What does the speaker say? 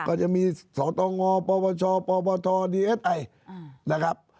ก็จะมีสตงปปชปปทซินะครับ